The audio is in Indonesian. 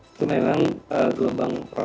itu memang gelombang perang